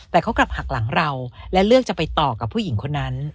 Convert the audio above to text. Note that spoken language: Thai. แต่เขากลับหักหลังเราและเลือกจะไปต่อกับผู้หญิงคนนั้น